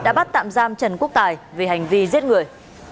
đã bắt tạm giam trần quốc tài về hành vi giết người